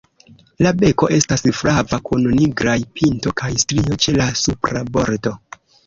La beko estas flava kun nigraj pinto kaj strio ĉe la supra bordo.